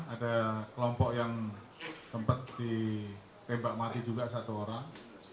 ada kelompok yang sempat ditembak mati juga satu orang